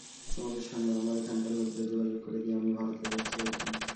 তোমাদের সঙ্গে আমার এখানকার লোকদের যোগাযোগ করে দিয়ে আমি ভারতে যাচ্ছি আর কি।